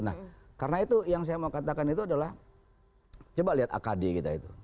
nah karena itu yang saya mau katakan itu adalah coba lihat akd kita itu